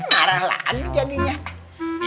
marah lagi jadinya